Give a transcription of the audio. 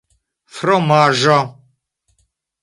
fromaĵo